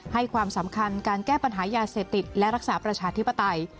ให้ความสำคัญการแก้ปัญหายาเสพติดและรักษาประชาธิปไตย